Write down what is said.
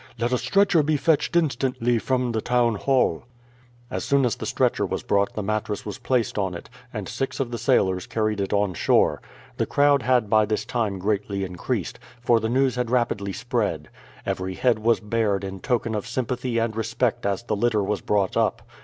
Let a stretcher be fetched instantly from the town hall." As soon as the stretcher was brought the mattress was placed on it, and six of the sailors carried it on shore. The crowd had by this time greatly increased, for the news had rapidly spread. Every head was bared in token of sympathy and respect as the litter was brought up.